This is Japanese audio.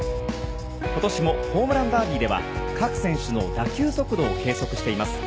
今年もホームランダービーでは各選手の打球速度を計測しています。